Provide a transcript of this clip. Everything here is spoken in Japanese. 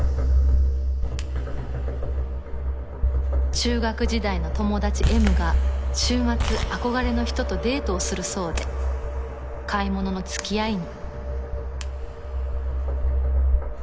「中学時代の友だち Ｍ が週末憧れの人とデートをするそうで買い物の付き合いに」